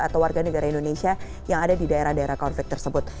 atau warga negara indonesia yang ada di daerah daerah konflik tersebut